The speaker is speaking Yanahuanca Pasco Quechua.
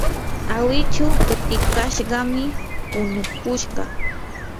awichu utikashqami punukushqa.